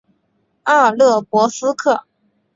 阿尔勒博斯克。